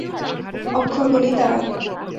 অক্ষরগুলি দ্বারা।